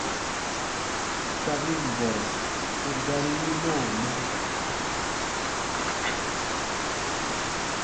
Sabin bɔrɔ u gari yi nɔɔmɔ.